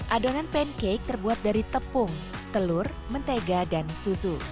adonan pancake terbuat dari tepung telur mentega dan susu